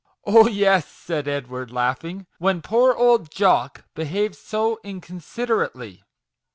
" Oh, yes," said Edward, laughing ;" when poor old Jock behaved so inconsiderately